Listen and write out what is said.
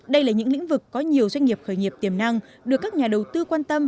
đây là những lĩnh vực có nhiều doanh nghiệp khởi nghiệp tiềm năng được các nhà đầu tư quan tâm